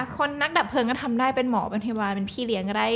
คนนักดับเพลิงก็ทำได้เป็นหมอเป็นเทวาเป็นพี่เลี้ยงก็ได้